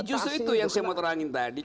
justru itu yang saya mau terangin tadi